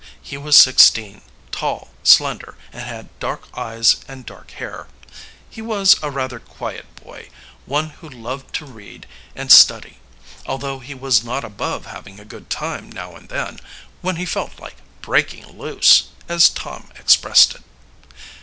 He was sixteen, tall, slender, and had dark eyes and dark hair. He was a rather quiet boy, one who loved to read and study, although he was not above having a good time now and then, when he felt like "breaking loose," as Tom expressed it.